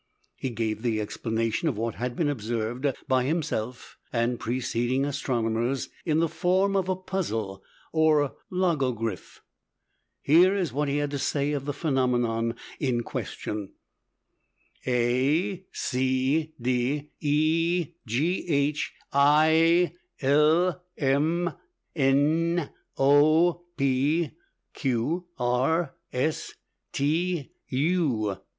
He gave the explanation of what had been observed by himself and preceding astronomers in the form of a puzzle, or "logogriph." Here is what he had to say of the phenomenon in question: "aaaaaaa ccccc d eeeee g h iiiiiii llll mm nnnnnnnnn oooo pp q rr s ttttt uuuuu."